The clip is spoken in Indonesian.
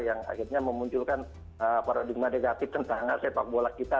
yang akhirnya memunculkan paradigma negatif tentang sepak bola kita